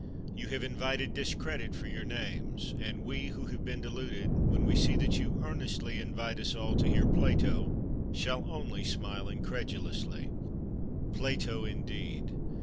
You have invited discredit for your names; and we, who have been deluded, when we see that you earnestly invite us all to hear Plato, shall only smile incredulously "Plato indeed!